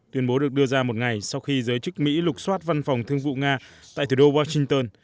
tuyên bố được đưa ra một ngày sau khi giới chức mỹ lục xoát văn phòng thương vụ nga tại thủ đô washington